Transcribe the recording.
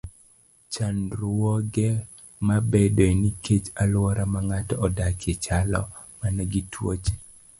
Chandruoge mabedoe nikech alwora ma ng'ato odakie chalo mana gi tuoche.